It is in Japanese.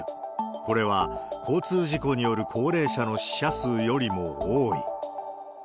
これは、交通事故による高齢者の死者数よりも多い。